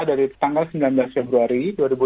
dari tanggal sembilan belas februari dua ribu dua puluh